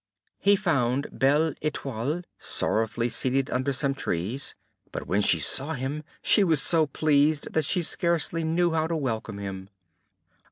He found Belle Etoile sorrowfully seated under some trees, but when she saw him she was so pleased that she scarcely knew how to welcome him.